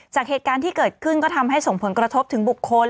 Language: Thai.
จากเหตุการณ์ที่เกิดขึ้นก็ทำให้ส่งผลกระทบถึงบุคคล